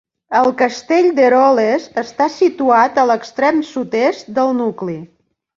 El castell d'Eroles està situat a l'extrem sud-est del nucli.